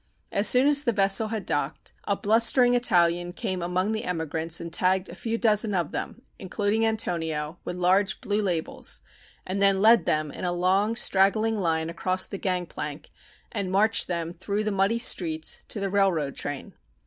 As soon as the vessel had docked a blustering Italian came among the emigrants and tagged a few dozen of them, including Antonio, with large blue labels, and then led them in a long, straggling line across the gangplank and marched them through the muddy streets to the railroad train.